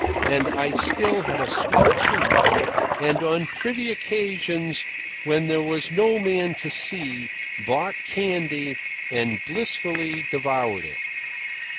And I still had a sweet tooth, and on privy occasions when there was no man to see, bought candy and blissfully devoured it.